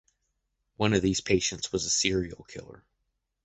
One of these patients was a serial killer.